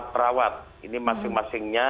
perawat ini masing masingnya